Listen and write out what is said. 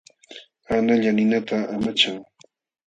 Analla ninata amachan.